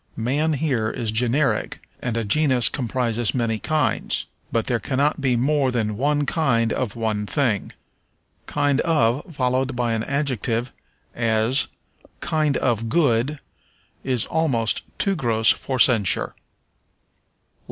Man here is generic, and a genus comprises many kinds. But there cannot be more than one kind of one thing. Kind of followed by an adjective, as, "kind of good," is almost too gross for censure.